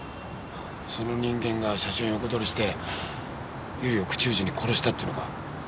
その人間が写真を横取りして由理を口封じに殺したって言うのか？